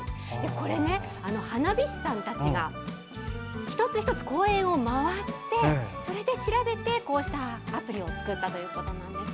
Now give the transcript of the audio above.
これ、花火師さんたちが一つ一つ公園を回って調べて、こうしたアプリを作ったということです。